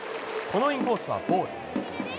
このインコースはボール。